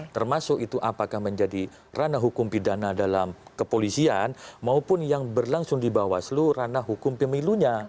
termasuk itu apakah menjadi ranah hukum pidana dalam kepolisian maupun yang berlangsung di bawaslu ranah hukum pemilunya